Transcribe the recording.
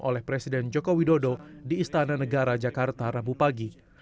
oleh presiden joko widodo di istana negara jakarta rabu pagi